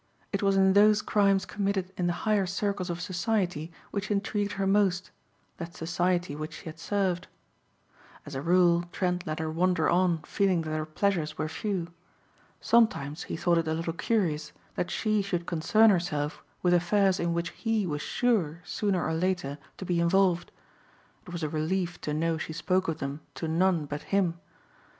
It was in those crimes committed in the higher circles of society which intrigued her most, that society which she had served. As a rule Trent let her wander on feeling that her pleasures were few. Sometimes he thought it a little curious that she should concern herself with affairs in which he was sure, sooner or later, to be involved. It was a relief to know she spoke of them to none but him.